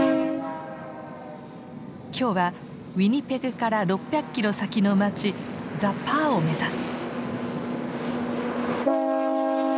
今日はウィニペグから６００キロ先の町ザ・パーを目指す。